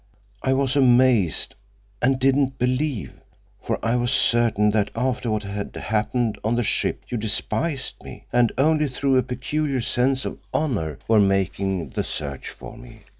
I was amazed and didn't believe, for I was certain that after what had happened on the ship you despised me, and only through a peculiar sense of honor were making the search for me.